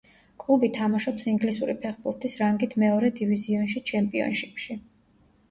კლუბი თამაშობს ინგლისური ფეხბურთის რანგით მეორე დივიზიონში ჩემპიონშიპში.